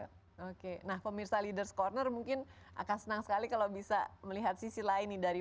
oke nah pemirsa leaders ⁇ corner mungkin akan senang sekali kalau bisa melihat sisi lain nih dari